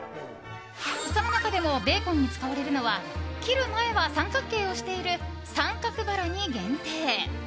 その中でもベーコンに使われるのは切る前は三角形をしている三角バラに限定。